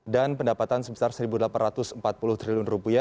pendapatan sebesar rp satu delapan ratus empat puluh triliun